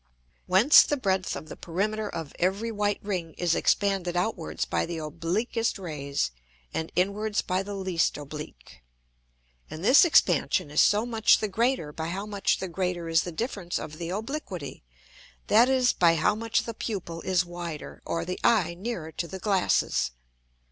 Whence the breadth of the Perimeter of every white Ring is expanded outwards by the obliquest Rays, and inwards by the least oblique. And this Expansion is so much the greater by how much the greater is the difference of the Obliquity; that is, by how much the Pupil is wider, or the Eye nearer to the Glasses.